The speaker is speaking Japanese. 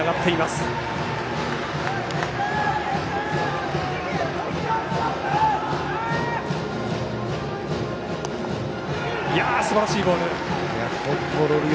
すばらしいボール。